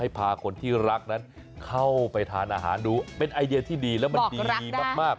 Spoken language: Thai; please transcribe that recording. พาคนที่รักนั้นเข้าไปทานอาหารดูเป็นไอเดียที่ดีแล้วมันดีมาก